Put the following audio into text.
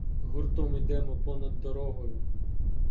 Гуртом ідемо понад дорогою.